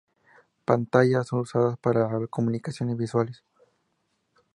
Pantallas son usadas para comunicaciones visuales.